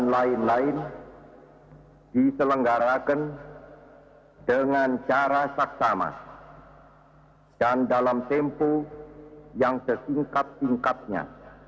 dan lain lain diselenggarakan dengan cara saksama dan dalam tempo yang sesingkat singkatnya